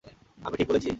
আমি ঠিক বলেছি?